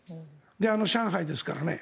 で、上海ですからね。